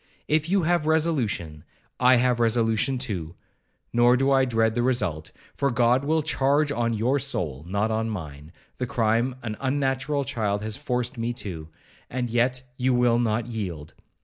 If you have resolution, I have resolution too; nor do I dread the result, for God will charge on your soul, not on mine, the crime an unnatural child has forced me to—and yet you will not yield.